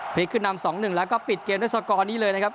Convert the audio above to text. พลิกขึ้นนำ๒๑แล้วก็ปิดเกมด้วยสกอร์นี้เลยนะครับ